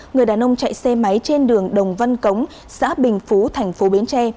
người đàn ông chạy xe máy trên đường đồng văn cống xã bình phú thành phố bến tre